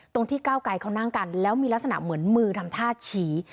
ที่ก้าวไกลเขานั่งกันแล้วมีลักษณะเหมือนมือทำท่าชี้